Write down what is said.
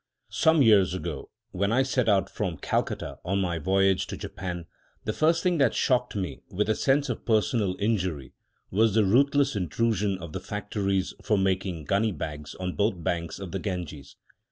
Some years ago, when I set out from Calcutta on my voyage to Japan, the first thing that shocked me, with a sense of personal injury, was the ruthless intrusion of the factories for making gunny bags on both banks of the Ganges.